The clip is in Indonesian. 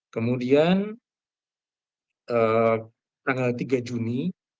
kemudian tanggal tiga juni